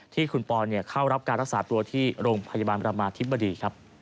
ที่คุณปอนเข้ารับการรักษาตัวที่โรงพยาบาลประมาธิบดี